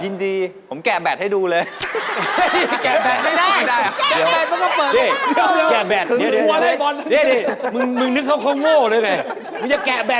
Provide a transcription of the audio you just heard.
มึงจะแกะแบดให้เขาดูแกะต่ามีทางแบด